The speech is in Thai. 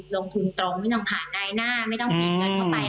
ลงทุนตรงไม่ต้องผ่านได้หน้าไม่ต้องพลิกเงินเท่าไป